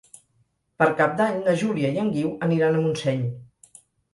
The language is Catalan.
Per Cap d'Any na Júlia i en Guiu aniran a Montseny.